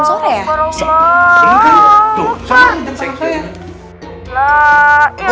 pak ini jangan salah saya